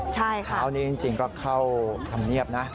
ใช่ค่ะคราวนี้จริงก็เข้าทำเงียบนะ